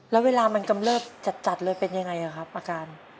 แล้วเวลามันกำเริบจัดเลยเป็นยังไงครับอาการ